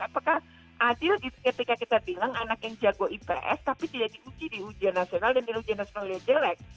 apakah adil ketika kita bilang anak yang jago ips tapi tidak diuji di ujian nasional dan di ujian nasional yang jelek